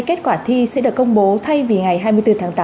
kết quả thi sẽ được công bố thay vì ngày hai mươi bốn tháng tám